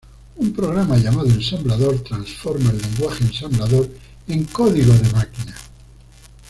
Un programa llamado ensamblador transforma el lenguaje ensamblador en código de máquina.